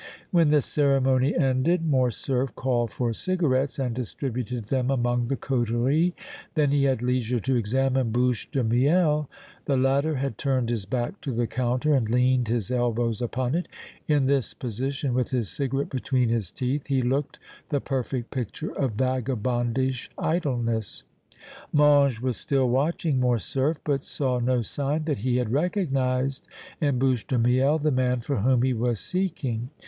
When this ceremony ended Morcerf called for cigarettes and distributed them among the coterie; then he had leisure to examine Bouche de Miel; the latter had turned his back to the counter and leaned his elbows upon it; in this position, with his cigarette between his teeth, he looked the perfect picture of vagabondish idleness. Mange was still watching Morcerf, but saw no sign that he had recognized in Bouche de Miel the man for whom he was seeking.